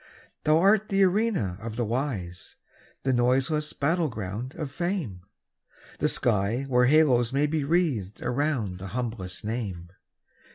Thou art the arena of the wise, The noiseless battle ground of fame; The sky where halos may be wreathed Around the humblest name.